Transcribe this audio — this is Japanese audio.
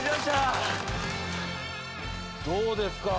どうですか？